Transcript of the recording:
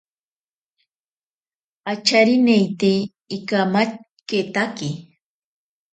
Acharineite ikamaketake.